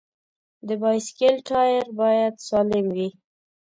د بایسکل ټایر باید سالم وي.